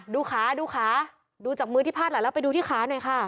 ดูขาดูขาดูจากมือที่พาดไหลแล้วไปดูที่ขาหน่อยค่ะ